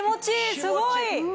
すごい。